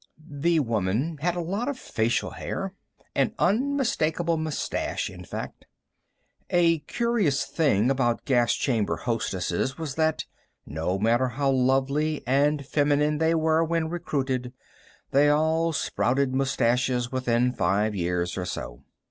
The woman had a lot of facial hair an unmistakable mustache, in fact. A curious thing about gas chamber hostesses was that, no matter how lovely and feminine they were when recruited, they all sprouted mustaches within five years or so.